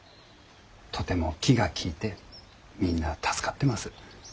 とても気が利いてみんな助かってます。